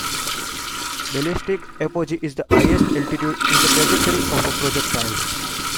Ballistic apogee is the highest altitude in the trajectory of a projectile.